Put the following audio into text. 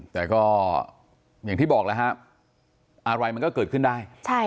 แต่ก็อย่างที่บอกแล้วฮะอะไรมันก็เกิดขึ้นได้